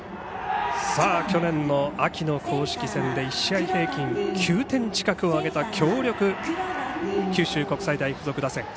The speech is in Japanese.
去年秋の公式戦で１試合平均９点近くを挙げた強力、九州国際大付属打線。